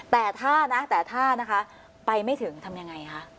แต่ถ้านะแต่ถ้านะคะไปไม่ถึงทำยังไงคะ